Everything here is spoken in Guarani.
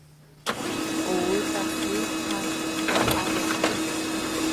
Ho'u tahýi ha ka'avo'i.